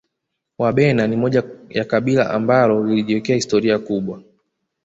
Wabena ni moja ya kabila ambalo lilijiwekea historia kubwa